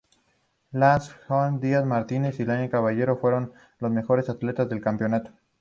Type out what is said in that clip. Larson Giovanni Diaz Martinez y María Caballero fueron los mejores atletas del campeonato.